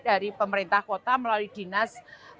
dari pemerintah kota melalui dinas